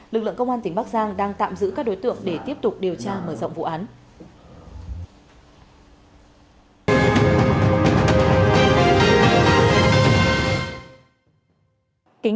lực lượng công an tỉnh bắc giang đang tạm giữ các đối tượng để tiếp tục điều tra mở rộng vụ án